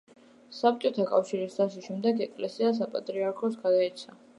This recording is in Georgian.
საბჭოთა კავშირის დაშლის შემდეგ ეკლესია საპატრიარქოს გადაეცა.